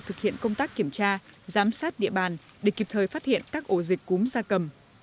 thực hiện công tác kiểm tra giám sát địa bàn để kịp thời phát hiện các ổ dịch cúm gia cầm